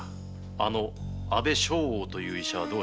あの阿部将翁という医者はどうした？